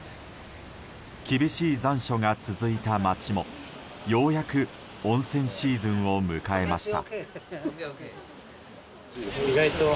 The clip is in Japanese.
厳しい残暑が続いた町もようやく温泉シーズンを迎えました。